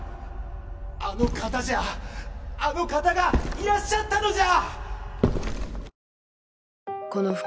あの方じゃあの方がいらっしゃったのじゃ！